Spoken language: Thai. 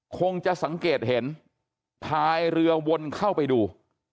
คงจะสังเกตเห็นพายเรือวนเข้าไปดู